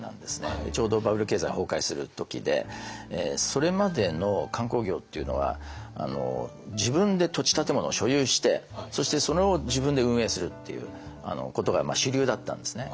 それまでの観光業っていうのは自分で土地建物を所有してそしてそれを自分で運営するっていうことが主流だったんですね。